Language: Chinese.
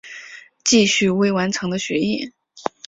继续未完成的学业